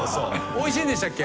美味しいんでしたっけ？